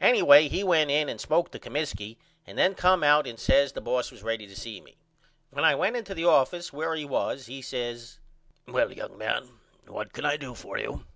Anyway he went in and spoke to Comiskey and then come out and says the boss was ready to see me. When I went into the office where he was at he says Well young man what can I do for you?